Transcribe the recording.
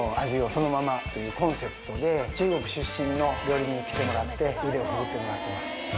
というコンセプトで中国出身の料理人に来てもらって腕を振るってもらってます。